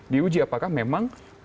diuji apakah memang